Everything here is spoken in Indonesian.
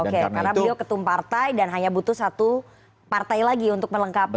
karena beliau ketum partai dan hanya butuh satu partai lagi untuk melengkapi